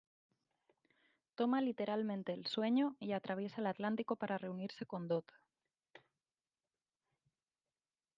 Toma literalmente el sueño y atraviesa el Atlántico para reunirse con Dodd.